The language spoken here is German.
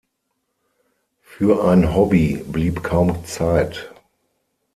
Für ein Hobby blieb kaum Zeit.